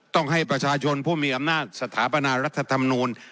ต้องให้ประชาชนผู้มีอำนาจสถาปนารัฐธรรมนูล